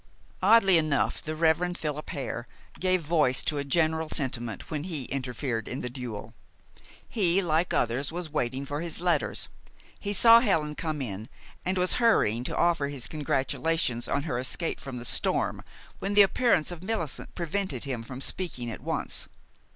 Oddly enough, the Rev. Philip Hare gave voice to a general sentiment when he interfered in the duel. He, like others, was waiting for his letters. He saw Helen come in, and was hurrying to offer his congratulations on her escape from the storm, when the appearance of Millicent prevented him from speaking at once.